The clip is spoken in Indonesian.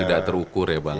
tidak terukur ya bang